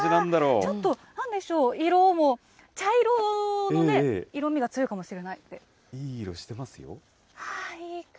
ちょっと、なんでしょう、色も茶色のね、色味が強いかもしれいい色してますよ。